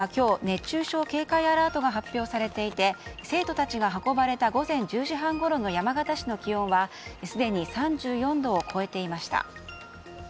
山形県には今日熱中症警戒アラートが発表されていて生徒たちが運ばれた午前１０時半ごろの山形市の気温はすでに３４度を超えていました。